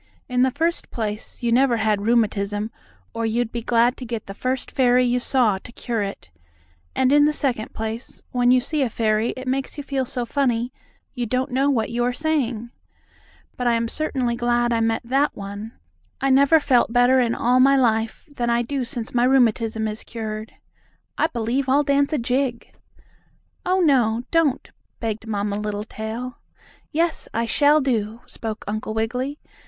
In the first place, you never had rheumatism, or you'd be glad to get the first fairy you saw to cure it. And in the second place, when you see a fairy it makes you feel so funny you don't know what you are saying. But I am certainly glad I met that one. I never felt better in all my life than I do since my rheumatism is cured. I believe I'll dance a jig." "Oh, no, don't," begged Mamma Littletail. "Yes, I shall to," spoke Uncle Wiggily.